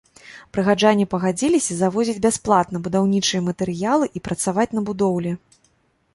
Прыхаджане пагадзіліся завозіць бясплатна будаўнічыя матэрыялы і працаваць на будоўлі.